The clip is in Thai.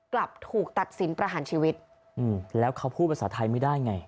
กลับถูกตัดสินประหารชีวิตอืมแล้วเขาพูดภาษาไทยไม่ได้ไง